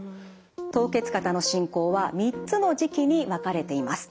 凍結肩の進行は３つの時期に分かれています。